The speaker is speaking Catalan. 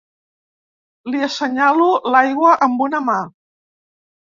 Li assenyalo l'aigua amb una mà.